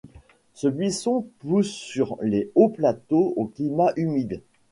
Ce buisson pousse sur les hauts plateaux au climat humide.